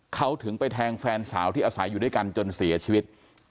เขาถึงไปแทงแฟนสาวที่อาศัยอยู่ด้วยกันจนเสียชีวิต